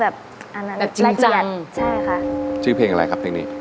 แล้วแบบแบบจริงจังใช่ค่ะชื่อเพลงอะไรครับเพลงนี้